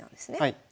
はい。